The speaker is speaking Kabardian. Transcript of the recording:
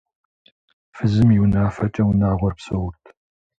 Фызым и унафэкӏэ унагъуэр псэурт.